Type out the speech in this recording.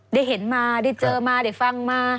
ได้เห็นมาได้เจอมาได้ฟังมา